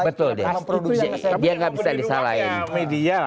yang saya bilang yang mempunyai ruangnya media lah